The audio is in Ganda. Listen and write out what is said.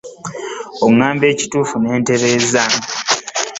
Oŋŋambanga ekituufu ne mmanya ne ntereeza.